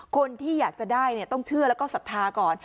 คนที่อยากจะได้ต้องเชื่อแล้วก็ศรัทธาก่อน